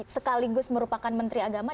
sekaligus merupakan menteri agama